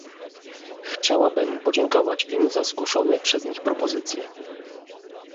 Chciałabym podziękować im za zgłoszone przez nich propozycje